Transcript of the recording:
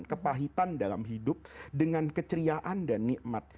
kepahitan dalam hidup dengan keceriaan dan nikmat